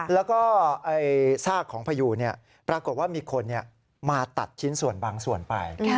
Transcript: แล้วก็ซากของพยูนปรากฏว่ามีคนมาตัดชิ้นส่วนบางส่วนไป